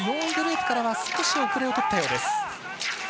４位グループからは少し後れを、とったようです。